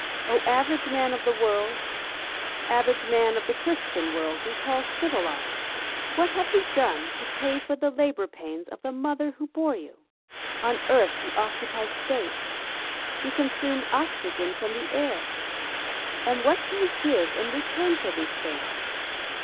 O Average Man of the world— Average Man of the Christian world we call civilised? What have you done to pay for the labour pains of the mother who bore you? On earth you occupy space; you consume oxygen from the air: And what do you give in return for these things?